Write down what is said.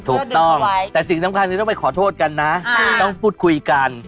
ถูกต้องแต่สิ่งสำคัญคือต้องไปขอโทษกันนะต้องพูดคุยกัน